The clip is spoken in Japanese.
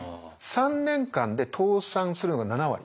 ３年間で倒産するのが７割。